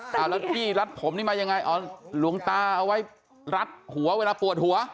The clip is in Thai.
แล้วพี่รัดผมนี่มายังไงเอาหลวงตาเอาไว้รัดหัวเวลาปวดหัว